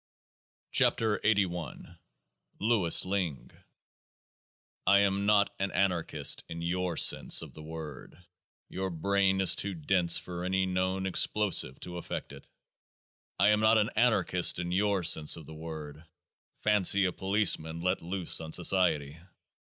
" 40 97 KEOAAH nA LOUIS LINGG I am not an Anarchist in your sense of the word : your brain is too dense for any known explosive to affect it. I am not an Anarchist in your sense of the word : fancy a Policeman let loose on Society